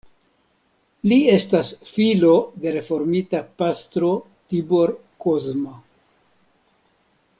Li estas filo de reformita pastro Tibor Kozma.